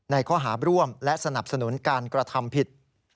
ในข้อหาร่วมและสนับสนุนการกระทำผิด